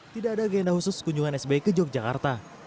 tidak ada agenda khusus kunjungan sby ke yogyakarta